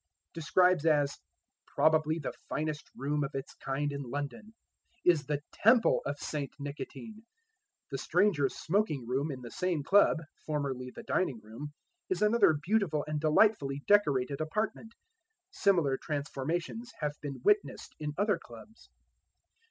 describes as "probably the finest room of its kind in London," is the temple of Saint Nicotine. The strangers' smoking room in the same club, formerly the dining room, is another beautiful and delightfully decorated apartment. Similar transformations have been witnessed in other clubs.